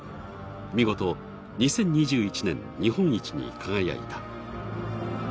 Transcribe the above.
見事２０２１年日本一に輝いた。